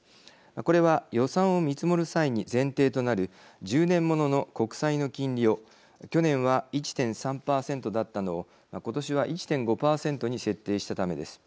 これは予算を見積もる際に前提となる１０年ものの国債の金利を去年は１．３％だったのを今年は１．５％に設定したためです。